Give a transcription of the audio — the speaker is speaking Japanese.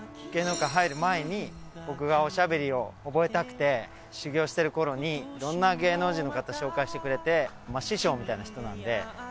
芸能界入る前に僕がおしゃべりを覚えたくて修業してるころにいろんな芸能人の方紹介してくれて師匠みたいな人なんで。